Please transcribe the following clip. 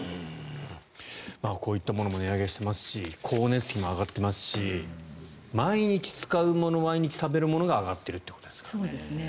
こういったものも値上げしていますし光熱費も上がってますし毎日使うもの、毎日食べるものが上がっているということですからね。